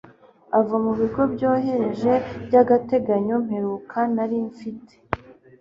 ava mubigo byohereje by'agateganyo mperuka nari mfite